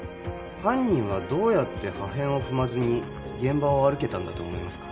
犯人はどうやって破片を踏まずに現場を歩けたんだと思いますか？